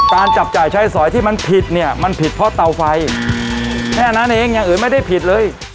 จับจ่ายใช้สอยที่มันผิดเนี่ยมันผิดเพราะเตาไฟแค่นั้นเองอย่างอื่นไม่ได้ผิดเลย